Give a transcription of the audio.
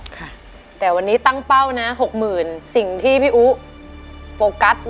ค่ะแต่วันนี้ตั้งเป้านะ๖หมื่นสิ่งที่พี่อู๊